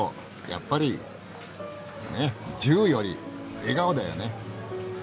やっぱりねえ銃より笑顔だよね。